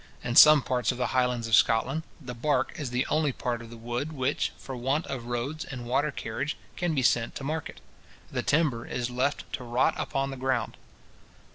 In some parts of the Highlands of Scotland, the bark is the only part of the wood which, for want of roads and water carriage, can be sent to market; the timber is left to rot upon the ground.